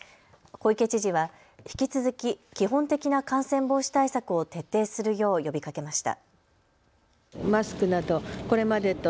小池知事は引き続き基本的な感染防止対策を徹底するよう呼びかけました。